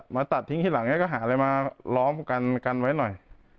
มาตัดทิ้งทีหลังแล้วก็หาอะไรมาล้อมกันไว้หน่อย